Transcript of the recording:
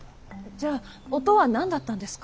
じゃあ音は何だったんですか？